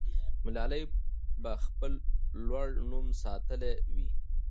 ملالۍ به خپل لوړ نوم ساتلی وي.